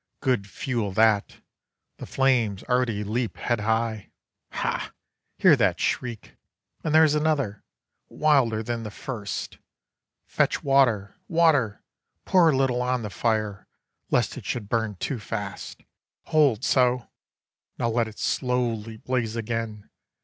Good fuel that! the flames Already leap head high. Ha! hear that shriek! And there's another! wilder than the first. Fetch water! Water! Pour a little on The fire, lest it should burn too fast. Hold so! Now let it slowly blaze again.